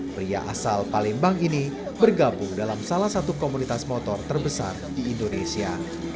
pria asal palembang ini bergabung dalam salah satu komunitas motor terbesar di indonesia